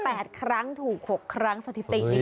ไป๘ครั้งถูก๖ครั้งสถิติ